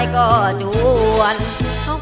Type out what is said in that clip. ๑ครับ